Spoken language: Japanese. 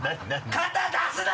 肩出すな！